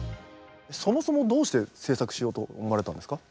そもそもどうして制作しようと思われたんですか？